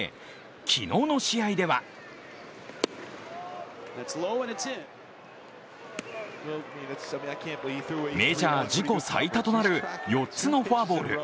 昨日の試合ではメジャー自己最多となる４つのフォアボール。